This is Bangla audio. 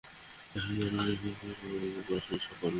একটা নিখুঁতভাবে সম্পাদিত অপারেশনের সাফল্যে।